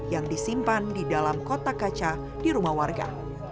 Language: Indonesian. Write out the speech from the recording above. yang disimpan di dalam kotak kaca di rumah warga